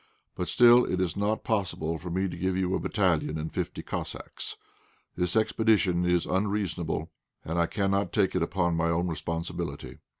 But still it is not possible for me to give you a battalion and fifty Cossacks. This expedition is unreasonable, and I cannot take it upon my own responsibility."